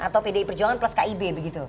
atau pdi perjuangan plus kib begitu